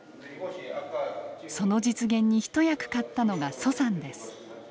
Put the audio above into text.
その実現に一役買ったのが徐さんです。